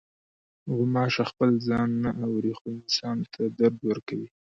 غوماشه خپل ځان نه اوري، خو انسان ته درد ورکوي.